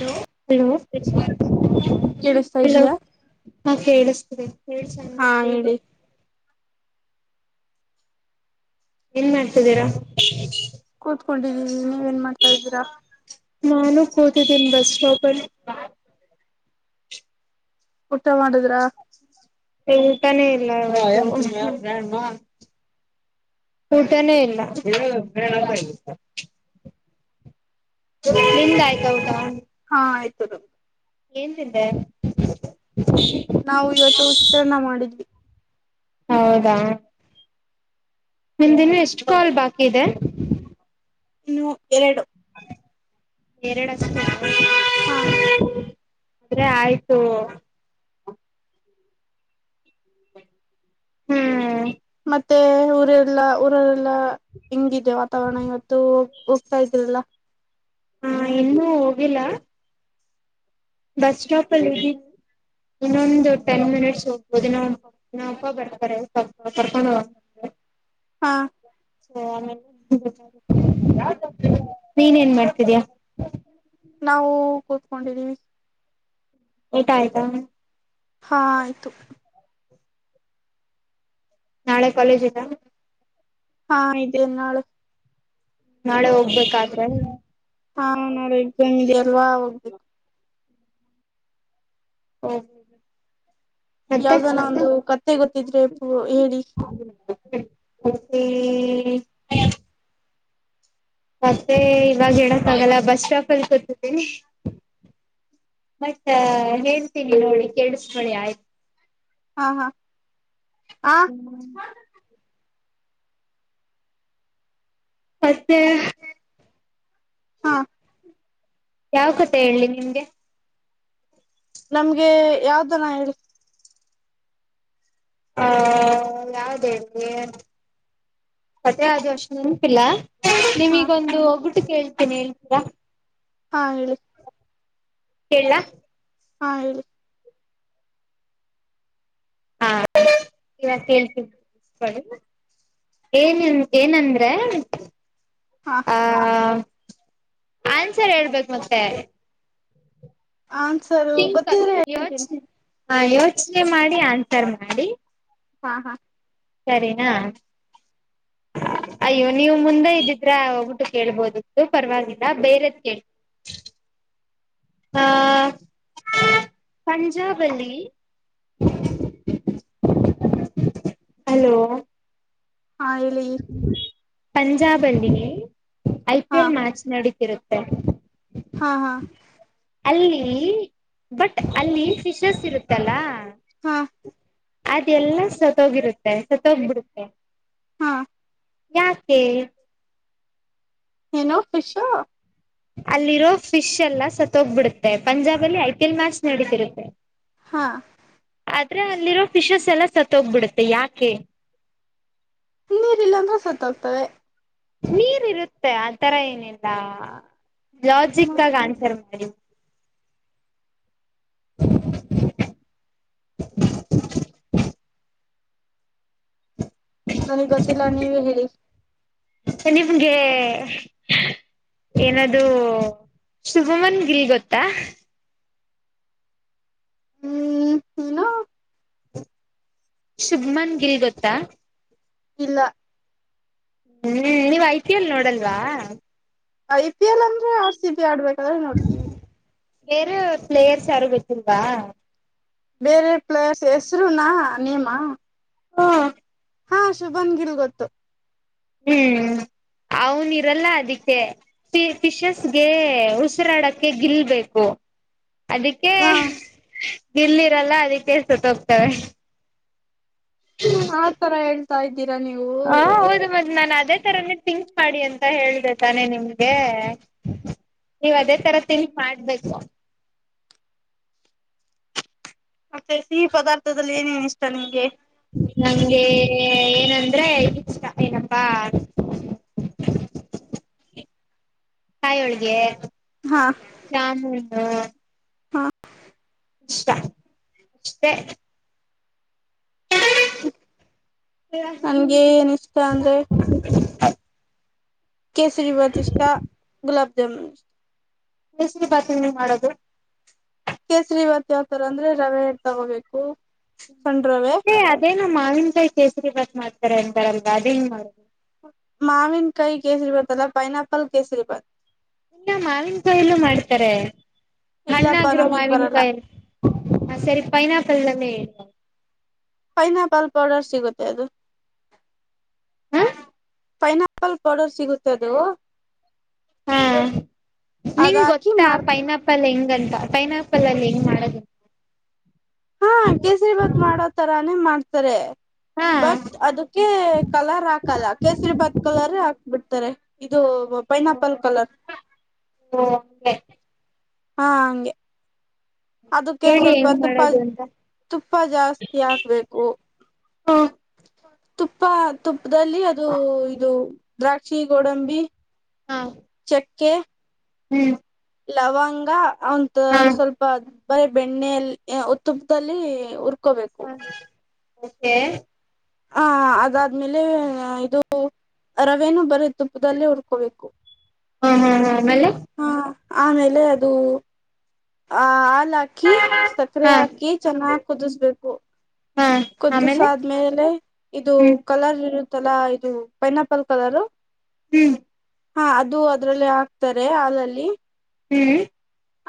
Hello hello ಕೇಳಿಸ್ತಾ hello ಇದೀಯಾ ಹಾ ಕೇಳ್ ಹೇಳೇಳ್ ಚ ಹಾ ಹೇಳ ಹೇಳಿ [inaudible] ಏನ್ ಮಾಡ್ತಿದ್ದೀರಾ ಕೂತ್ಕೊಂಡಿದ್ದೀನಿ ನೀವೇನ್ ಮಾಡ್ತಾ ಇದ್ದೀರಾ ಮಾನು ಕತ ದಿನ ಬಸ್ಷಕ ಊಟ ಮಾಡುದ್ರಾ ಊಟಾನೇ ಇಲ್ಲ ಊಟನೇ ಇಲ್ಲ [inaudible] ನಿಮ್ದ್ ಆಯ್ತಾ ಉಟಾ ಹಾ ಆಯ್ತು ರು ಎಂತಿಂದ ನಾವು ಇವತ್ತು ಉಚಿತ್ರನ್ನ ಮಾಡಿದ್ವಿ ಹೌದಾ ನಿಮ್ದಿನ ಎಷ್ಟು ಕಾಲ್ ಬಾಕಿ ಇದೆ ಇನ್ನು ಎರಡು ಬೇರೆಡ ಹಾ ಅ ಆಯ್ತು ಹ್ಮ್ ಮತ್ತೆ ಊರೆಲ್ಲ ಊರರೆಲ್ಲಾ ಹಂಗ ವಾತಾವರಣ ಇವತ್ತು ಹೋಗ್ತಾ ಇದ್ದೀರಲ್ಲ ಹಾ ಇನ್ನುೂ ಹೋಗಿಲ್ಲ ಬಸ್ ಸ್ಟಾಪ್ ಅಲ್ಲಿ ಇನ್ನೊಂದು ಟೆನ್ ಮಿನಿಟ್ಸ್ ಹೋಗ್ಬೋದು ಇಪ್ಪ ಬರ್ತಾರೆ ಸ್ಲ ಕರ್ಕೊಂಡ ಹೋಗ [inaudible] ಹಾ ಮೇ ನೀನ್ರರೇನ್ ಮಾಡ್ತಿದಯಾ ನಾವು ಕೂತ್ಕೊಂಡಿದ್ದೀವಿ ಏತಾ ಆಯ್ತಾ ಹಾ ಆಯ್ತು ನಾಳೆ ಕಾಲೇಜ ಇಲ್ಲ ಹಾ ಇದೇ ನಾಳೆ ನಾಳೆ ಹೋಗ್ಬೇಕಾದ್ರೆ ಹಾ ನೋಡೆ ಎಕ್ಸಾಮ್ದೆ ಅಲ್ವಾ ಹೋಗ್ಬೇಕು ಹ್ಮ ಹ್ಮ ಯಾವ್ದಾನ ಒಂದು ಕತ್ತೆ ಗೊತ್ತಿದ್ರೆ ಪ ಹೇಳಿ ಕೆ [inaudible] ಮತ್ತೆ ಇವಾಗ ಹೇಳಕ್ಕ ಆಗಲ್ಲ ಬಸ್ ಸ್ಟಾಪ್ ಅಲ್ಲಿ ಕೂತಿದಿ ಮತ್ತ ಹೇಳ್ತೀನಿ ನೋಡಿ ಕೇಳಿಸಕೋಳಿ ಆಯ್ತು [inaudible] ಹಾ ಹಾ ಆ ಹ್ಮ [unintelligible] ಮತ್ತೆ ಹಾ ಯಾವ ಕತೆ ಹೇಳಿ ನಿಮ್ಗೆ ನಮ್ಗೆ ಯಾವ್ದನ ಹೇಳಿ ಹಾ ಯಾವ್ದೇ ಕತೆಹೋ ಅಶ್ ನೆನಪಿಲ್ಲ ಹಾ ನಿಮಿಗೊಂದು ಒಗ್ಗಟ್ಟು ಕೇಳ್ತೀನಿ ಹೇಳ್ತೀರಾ ಹಾ ಹೇಳಿ ಹೇಳ ಹ ಹಾ ಇವಾಗ ಕೇಳ್ತಿದ [unintelligible] ಏನ್ ಏನಂದ್ರೆ ಹಾ [unintelligible] ಆ ಆನ್ಸರ್ ಹೇಳ್ಬೇಕು ಮತ್ತೆ ಆನ್ಸರು ಂ ಗೊತ್ತಿದ್ರೆ ಹೇಳ್ತೀನಿ ಯೋಚನೆ ಹ ಯೋಚನೆ ಮಾಡಿ ಆನ್ಸರ್ ಮಾಡಿ ಹಾ ಹಾ ಸರಿನಾ ಅಯ್ಯೋ ನೀವು ಮುಂದೆ ಇದ್ದಿದ್ರೆ ಹೋಗ್ಬಿಟ್ಟು ಕೇಳ್ಬೋದಿತ್ತು ಪರವಾಗಿಲ್ಲ ಬೇರೆದ್ ಕೇ [unintelligible] ಹಾ ಪಂಜಾವಲಿ ಹಲೋ ಹಾ ಹೇಳಿ ಪಂಜಾಬ್ ಅಲ್ಲಿ ಐ ಪಿ ಹಾ ಎಲ್ ಮ್ಯಾಚ್ ನಡೀತಿರುತ್ತೆ ಹಾ ಹಾ ಅಲ್ಲಿ ಬಟ್ ಅಲ್ಲಿ ಫಿಶಸ್ ಇರುತ್ತಲ್ಲ ಹಾ ಅದೆ ಎಲ್ಲ ಸತ್ತೋಗಿರುತ್ತೆ ಸತ್ತೋಗ್ಬಿಡುತ್ತೆ ಹಾ ಯಾಕೆ ಏನೋ ಖುಷಾ ಅಲ್ಲಿರೋ ಫಿಶ್ ಎಲ್ಲ ಸತ್ತೋಗ್ಬಿಡುತ್ತೆ ಪಂಜಾಬ್ ಅಲ್ಲಿ ಐ ಪಿ ಎಲ್ ಮ್ಯಾಚ್ ನಡೀತಿರುತ್ತೆ ಹಾ ಆದ್ರೆ ಅಲ್ಲಿರೋ ಫಿಶಸ್ ಎಲ್ಲ ಸತ್ತೋಗ್ಬಿಡುತ್ತೆ ಯಾಕೆ ನೀರ್ಲ್ಲಾಂದ್ರೆ ಸತ್ಾಗ್ತವೆ ನೀರ್ ಇರುತ್ತೆ ಆ ತರ ಏನಿಲ್ಲ ಲಾಜಿಕ್ ಆಗ ಆನ್ಸರ್ ಮಾಡಿ [unintelligible] ನನಗ್ ಗೊತ್ತಿಲ್ಲ ನೀವೇ ಹೇಳಿ ಸ ನಿಮನ್ಗೆ ಏನದುೂ ಶುಭಮನ್ ಗಿಲ್ ಗೊತ್ತಾ ಹ್ಮ್ ಏನು ಶುಭ್ಮನ್ ಗಿಲ್ ಗೊತ್ತಾ ಇಲ್ಲ ಹ್ಮ್ ನೀವು ಐಪಿಎಲ್ ನೋಡಲ್ವಾ ಐ ಪಿ ಎಲ್ ಅಂದ್ರೆ ಆರ್ ಸಿ ಬಿ ಆಡ್ಬೇಕಾದ್ರೆ ನೋಡ್ತೀವಿ ವೇರೆ ಪ್ಲೇಯರ್ಸ್ ಯಾರು ಬಟ್ಟರುಂಗ ಬೇರೆ ಪ್ಲೇಸ್ ಹೆಸರುೂನಾ ನೀಮ್ಮ [unintelligible] ಹಾ ಶುಭನ್ ಗಿಲ್ ಗೊತ್ತು ಹ್ಮ್ ಅವನಿರಲ್ಲ ಅದಕ್ಕೆ ಫಿಶಸ್ಗೆ ಉಸಿರಾಡಕ್ಕೆ ಗಿಲ್ಬೇಕು ಅದಕ್ಕೆ ಹ ಗಿಲ್ಲಿರಲ್ಲ ಅದಕ್ಕೆ ಸತ್ತ ಹೋಗ್ತವೆ ಆತರ ಹೇಳ್ತಾ ಇದ್ದೀರಾ ನೀವು ನಾನು ಅದೇ ತರನೇ ತಿಂಕ್ ಮಾಡಿ ಅಂತ ಹೇಳ್ದ ತಾನೆ ನಿಮ್ಗೆ ನೀವ್ ಅದೇ ತರ ತಿಂಗ್ಸ್ ಮಾಡ್ಬೇಕು ಮತ್ತೆ ಸಿಹಿ ಪದಾರ್ಥದಲ್ಲಿ ಏನೇನ್ ಇಷ್ಟ ನಿಮ್ಗೆ ನಮ್ಗೆ ಏನಂದ್ರೆ ಇಷ್ಟ ಏನಪ್ಪಾ ಕಾಯೊಳ್ಗೆ ಹಾ ಜಾಮೂನ್ ಹಾ ಷ್ಟಷ್ಟ ನನ್ಗೆ ಏನ ಇಷ್ಟ ಅಂದ್ರೆ ಕೇಸರಿಬಾದ ಇಷ್ಟ ಗುಲಬ ಜಾಮುನ್ ಇಷ್ಟತ ಕೇಸರಿ ಬಾತನ್ನು ಮಾಡೋದು ಕೇಸರಿ ಬಾತ್ ಯಾವತರ ಅಂದ್ರೆ ರವೆ ತಗೋಬೇಕು ಸಣ್ಣ ರವೆ ಏ ಅದೇನ ಮಾವಿನಕಾಯ್ ಕೇಸರಿ ಬಾತ್ ಮಾಡ್ತಾರೆ ಅಂತಾರಲ್ವಾ ಅದೇಂಗ್ ಮಾಡ ಮಾವಿನ ಕೈ ಕೇಸರಿ ಭತ್ ಅಲ್ಲ ಪೈನಾಪಲ್ ಕೇಸರಿ ಪತ್ ಇಲ್ಲ ಮಾವನ್ ಕಯಲ್ಲೂ ಮಾಡ್ತಾರೆ ಇಲ್ಲಪ್ಪಾ ಹಣ್ಣಾಕಗಿ ರೋ ನಮಗ್ ಮಾವಿನ ಬರಲ್ಲ ಪೈನ್ ಹ ಸರಿ ಪೈನಾಪಿಲ್ ಎಲ್ಲ ಪೈನಾಪಲ್ ಪೌಡರ್ ಸಿಗುತ್ತೆ ಅದು. ಹ ಫೈನ್ ಆಪಲ್ ಪೌಡರ್ ಸಿಗುತ್ತದು. ಹಾ ನಿಂಗ ಹಾಕಿ ಗೊತ್ತಾ ಮಾಡ್ತಾರೆ ಪೈನಾಪಲ್ ಹೆಂಗಂತ. ಪೈನಾ ಆಪಲ್ ಅಲ್ಲಿ ಹೆಂಗ್ ಮಾಡದು ಹಾ ಕೇಸರಿ ಭಾತ್ ಮಾಡೋ ತರಾನೇ ಮಾಡ್ತಾರೆ. ಹಾ ಬಟ್ ಅದಕ್ಕೆ ಕಲರ್ ಹಾಕಲ್ಲ ಕೇಸರಿ ಭಾತ್ ಕಲರ್ ಹಾಕ್ಬಿಡ್ತಾರೆ. ಇದು ಪೈನಾ ಆಪಲ್ ಓ ಕಲರ್. ಹಂಗೆ ಹಾ ಹಂಗೆ ಅದಕ್ಕೇನ್ ಹೇಳಿ ಸ್ವಲ್ಪ ಹೆಂಗ್ ತುಪ್ಪ ಮಾಡೋದು ಹಾಕಿ. ಅಂತ ತುಪ್ಪ ಜಾಸ್ತಿ ಹಾಕ್ಬೇಕು. ಹ ತುಪ್ಪ ತುಪ್ಪದಲ್ಲಿ ಅದು ಇದು ದ್ರಾಕ್ಷಿ ಗೋಡಂಬಿ. ಹಾ ಚಕ್ಕೆ. ಹ್ಮ್ ಲವಂಗ ಅವಂದ ಹಾ ಸ್ವಲ್ಪ. ಬರೀ ಬೆಣ್ಣೆಲ ಉ ತುಪ್ಪದಲ್ಲಿ ಉರ್ಕೋಬೇಕು. ಓಕೆ ಹ ಅದಾದ್ಮೇಲೆ ಇದು ರವೆೇನೂ ಬರೀ ತುಪ್ಪದಲ್ಲೇ ಉಡ್ಕೋಬೇಕು. ಹಾ ಹಾ ಹಾ ಆಮೇಲೆ. ಆಮೇಲೆ ಅದು ಆ. ಹಾಕಿ ಸಕ್ಕರೆ ಹಾ ಹಾಕಿ ಚೆನ್ನಾಗ ಕುದಿಸ್ಬೇಕು. ಹಾ ಕುದ್ದಸ ಆಮೇಲೆ ಆದ್ಮೇಲೆ ಇದು ಹ್ಮ್ ಕಲರ್ ಇರುತ. ತಲಾ ಇದು ಪೈನಾ ಆಪಲ್ ಕಲರ್. ಹ್ಮ್. ಹಾ ಅದು ಅದ್ರಲ್ಲಿ ಹಾಕ್ತಾರೆ ಹಾಲಲ್ಲಿ. ಹ್ಮ್.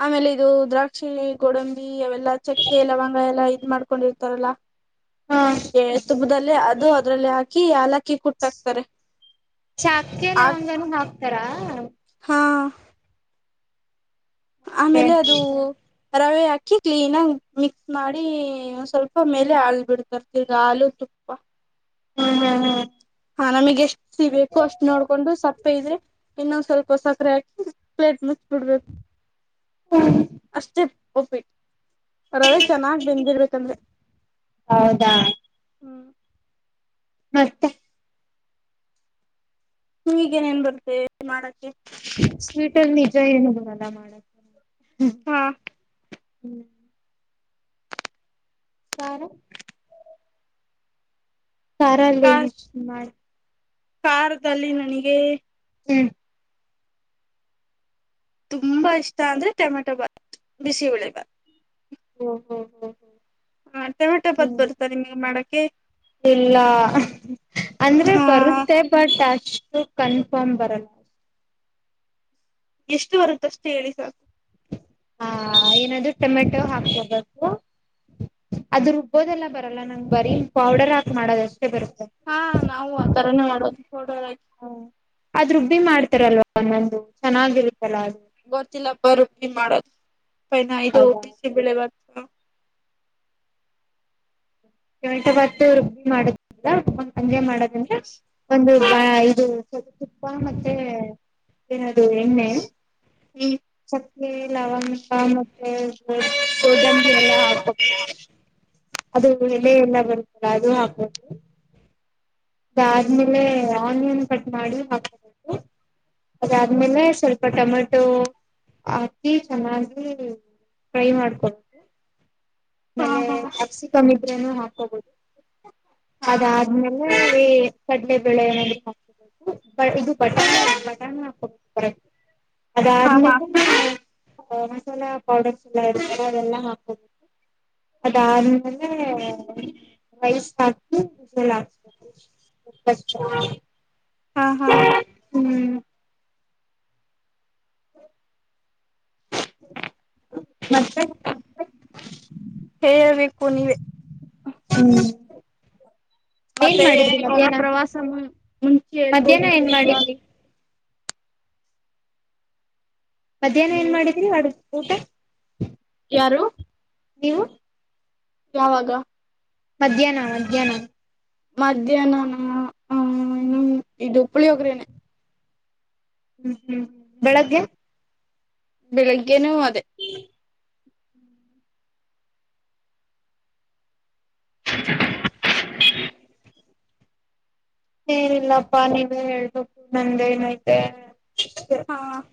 ಆಮೇಲೆ ಇದು ದ್ರಾಕ್ಷಿ ಗೋಡಂಬಿ ಅವೆಲ್ಲಾ ಚಕ್ಕೆ ಲವಂಗ ಎಲ್ಲ. ಮಾಡ್ಕೊಂಡಿರ್ತಾರಲ್ಲ ಹಾ ಏ ತುಪ್ಪದಲ್ಲಿ ಅದು ಅದ್ರಲ್ಲಿ ಹಾಕಿ. ಕ ಏಲಕ್ಕಿ ಕುಟ್ಟಾಕ್ತಾರೆ. ಚಾಕ್ಕೆ ಆ ಲವಂಗನ ಹಾಕ್ತಾರಾ. ಹಾ ಆಮೇಲೆ ಹ್ಮ್ ಅದು. ರವೆ ಅಕ್ಕಿ ಕ್ಲೀನ್ ಆಗಿ ಮಿಕ್ಸ್ ಮಾಡಿ ಸ್ವಲ್ಪ ಮೇಲೆ ಹಾಲು ಬಿಡ್ತರ ಈಗ ಹಾಲ. ತುಪ್ಪ. ಹ್ಮ್ ಹ್ಮ್ ಹ್ಮ್ ಹಾ ನಮಗ್ ಎಷ್ಟು ಸಿಗಬೇಕು ಅಷ್ಟ್ ನೋಡ್ಕೊಂಡು ಸಪ್ಪೆ ಇದ್ರೆ ಇನ್ನೊಂದ್ ಸ್ವಲ್ಪ ಸಕ್ಕರೆ ಹಾಕಿ ಪ್ಲೇಟ್ ಮುಚ್ಬಿಡ್ಬೇಕು ಹ್ಮ್ ಅಷ್ಟೆ. ಒಪ್ಪಿಟ್ಟ ರವೆ ಚೆನ್ನಾಗಿ ಬೆಂದಿರ್ಬೇಕಂದ್ರ. ಹೌದಾ. ಹ್ಮ್ ಮತ್ತೆ ಈಗೇನೇನ್ ಬರ್ತೆೇ ಮಾಡಕ್ಕೆ. ಸ್ವೀಟರ್ ನಿಜ ಹೇಳಲಿಲ್ಲ ಅಲ್ವಾ ಮಾಡಕೆ. ಹ್ಮ್. ಹಾ ಸಾರ. ಕಾರಾ ಲೈ ಮಾಡ. ಕಾರದಲ್ಲಿ ನನಗೆ. ಹ್ಮ. ತುಂಬಾ ಇಷ್ಟ ಅಂದ್ರೆ ಟೊಮೆಟೊ ಭಾತಾ ಬಿಸಿ ಬೇಳೆ ಬಾತ. ಹ್ಮ ಹ್ಮ್ ಹ್ಮ್ ಹ್ಮ್. ಹಾ ಟೊಮೆಟೊ ಬಾತ್ ಬರುತ್ತಾ ನಿಮಗೆ ಮಾಡಕೆ. ಇಲ್ಲ ಅಂದ್ರೆ ಹಾ ಬರುತ್ತೆ ಬಟ್. ಅಷ್ಟು ಕನ್ಫರ್ಮ್ ಬರಲ್ಲ. ಎಷ್ಟು ಬರುತ್ತಷ್ಟೇ ಹೇಳಿ ಸಾಕು. ಹಾ ಏನಾದ ಟೊಮೆಟೊ ಹಾಕ್ಕೋಬೇಕು ಇತ್ತು. ಅದು ರುಬ್ಬೋದೆಲ್ಲ ಬರಲ್ಲ ನನಗೆ ಬರೀ ಪೌಡರ್ ಹಾಕ ಮಾಡೋದ. ಹಾ ನಾವು ಆ ತರನೇ ಮಾಡೋದು ಪೌಡರ್ ಹಾಕಿ. ಹ್ಮ ಅದ್ ರುಬ್ಬಿ ಮಾಡ್ತಾರಲ್ವಾ ಒಂದೊಂದು ಚೆನ್ನಾಗಿರುತ್ತೆ. ಗೊತ್ತಿಲ್ಲ ಬರ್ತಿ ಮಾಡೋದು. [unintelligible] ಇದು ಹೌದಾ ಬಿಸಿ ಬೆಳೆ ಬಾತ್ ಮಾಡೋದು. ಕೆಟ ಭಾತ್ತು ರುಬ್ಬಿ ಮಾಡದಿಂದ ಸಂಜೆ ಮಾಡೋದಿಂದ್ರ ಒಂದು. ಇದು ಸ್ವಲ್ಪ ತುಪ್ಪ ಮತ್ತೆ ಏನದು ಎಣ್ಣೆ. ಹ್ಮ್ ಏನಿಲ್ಲ ಲವಂಗ ಮತ್ತೆ ಗೋಡಂಬಿ ಎಲ್ಲ ಹಾಕಿ.. ಅದು ಎಲೆ ಎಲ್ಲ ಬರ್ತ್ತಲ್ಲ ಅದು ಹಾಕ್ಬೋದು. ಇದು ಆದ್ಮೇಲೆ ಆನಿಯನ್ ಕಟ್ ಮಾಡಿ ಹಾಕೋಬೇಕು. ಅದು ಆದ್ಮೇಲೆ ಸ್ವಲ್ಪ ಟೊಮೆಟೊ. ಹಾಕಿ ಚೆನ್ನಾಗಿ ಫ್ರೈ ಮಾಡಕೊಬೇಕು. ಹಾ ಆಮೇಲೆ ಹಾ ಕ್ಯಾಪ್ಸಿಕಂ ಇದರನೂ ಹಾಕೋಬೋದು ಹಾ ಅದಾದ್ಮೇಲೆ. ಇ ಕಡ್ಲೆ ಬೆಳೆ [unintelligible] ಇದು ಬಟಾಣ ಬಟಾಣ ಹಾಕಬೇಕ ಹಾ ಹಾ ಅದಾದ್ಮೇಲೆ. ಮಸಾಲಾ ಪೌಡರ್ಸ್ ಎಲ್ಲ ಇರ್ತಾರ ಅದೆಲ್ಲ ಹಾಕೋಬೇಕು. ಅದಾದ್ಮೇಲೆ ರೈಸ್ ಹಾಕಿ [unintelligible] [unintelligible] ಹಾ ಹಾ. ಹ್ಮ್. ಮತ್ತೆ. ಹೇಳಬೇಕು ನೀವೆ. ಹ್ಮ್ ಏನ್ ಮತ್ತೆ ಏನ ಮಾಡಿದ್ರಿ ಇವಾಗ ಇವಾಗ ಮಧ್ಯಾಹ್ನ ಪ್ರವಾಸ ಮುಂಚೆ ಎಲಗೆ ಮಧ್ಯಾಹ್ನ ಏನ್ ಹೋಗಿದ್ರು ಇವಾಗ. ಮಾಡಿದ್ರಿ ಮಧ್ಯಾಹ್ನ ಏನ್ ಮಾಡಿದ್ರಿ ಅಡು ಊಟ. ಯಾರು. ನೀವು. ಯಾವಾಗ. ಮಧ್ಯಾಹ್ನ ಮಧ್ಯಾಹ್ನ. ಮಧ್ಯಾಹ್ನಾನ ಹ್ಮ್ಮ ಹ್ಮ್ ಇನ್ನು ಇದು ಪುಳೆಗರಿ ನೆ. ಹ್ಮ್ ಹ್ಮ್ ಬೆಳಗ್ಗೆ. ಬೆಳಗ್ಗೆನು ಅದೇ. [unintelligible] ಏನಿಲ್ಲಪ್ಪಾ ನೀವೇ ಹೇಳ್ಬೇಕು ನಮದು ಏನೈತೆ. ಹ್ಮ್ಮ್.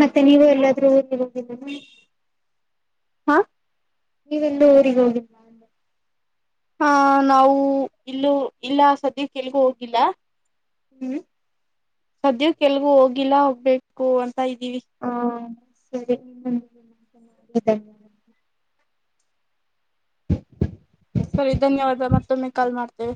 ಮತ್ತೆ ನೀವು ಎಲ್ಲಾದ್ರೂ ಹೋಗಿ ಬಂದಿದ್ರ. ಹ್ಮ್ಮ. ನೀವೆಲ್ಲೂ ಊರಿಗೆ ಹೋಗಿಲ್ಲ. ಹಾ ನಾವು ಇಲ್ಲೂ ಇಲ್ಲ ಸದ್ಯಕೆ ಎಲ್ಲಿಗೂ ಹೋಗಿಲ್ಲ. ಹ್ಮ್. ಸದ್ಯಕೆ ಏಲ್ಗು ಹೋಗಿಲ್ಲ ಹೋಗಬೇಕು ಅಂತ ಇದ್ದೀವಿ. ಹ ಸರಿ [unintelligible] ಸರಿ ಧನ್ಯವಾದ ಮತ್ತೊಮ್ಮೆ ಕಾಲ್ ಮಾಡ್ತೇವೆ.